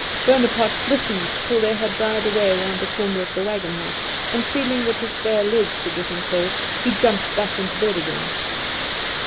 Bonaparte listened till they had died away round the corner of the wagon house; and, feeling that his bare legs were getting cold, he jumped back into bed again.